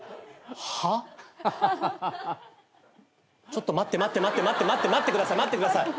ちょっと待って待って待って待ってください待ってください。